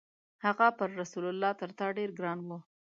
هغه پر رسول الله تر تا ډېر ګران و.